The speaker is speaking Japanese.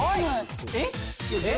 えっ？